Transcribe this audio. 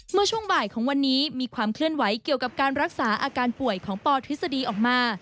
เมื่อช่วงบ่ายของวันนี้มีความเคลื่อนไหวเกี่ยวกับการรักษาอาการป่วยของปทฤษฎีออกมา